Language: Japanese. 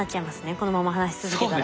このまま話し続けたら。